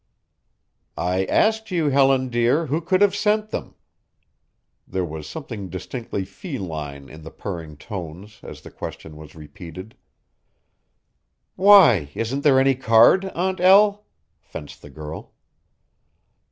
"I asked you, Helen dear, who could have sent them?" There was something distinctly feline in the purring tones as the question was repeated. "Why, isn't there any card, Aunt El?" fenced the girl.